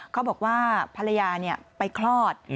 เขาบอกว่าภรรยาไปคลอด